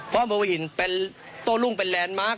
เพราะโมหินเป็นโต้รุ่งเป็นแลนด์มาร์ค